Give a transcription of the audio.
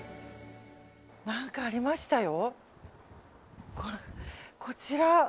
何かありましたよ。